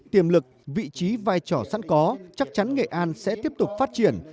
tiềm lực vị trí vai trò sẵn có chắc chắn nghệ an sẽ tiếp tục phát triển